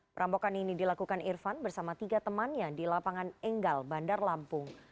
perampokan ini dilakukan irfan bersama tiga temannya di lapangan enggal bandar lampung